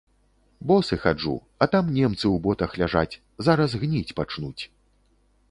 Босы хаджу, а там немцы ў ботах ляжаць, зараз гніць пачнуць.